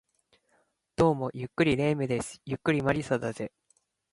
どうも、ゆっくり霊夢です。ゆっくり魔理沙だぜ